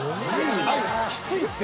きついって。お前